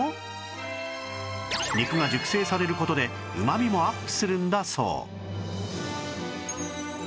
肉が熟成される事でうまみもアップするんだそう